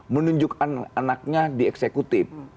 menunjukkan anaknya di eksekutif